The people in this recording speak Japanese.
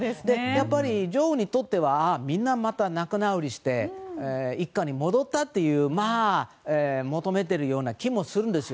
やっぱり女王にとってはみんな仲直りして一家に戻ったというのを求めてるような気がするんです。